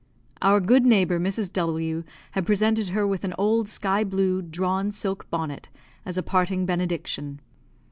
Our good neighbour, Mrs. W , had presented her with an old sky blue drawn silk bonnet, as a parting benediction.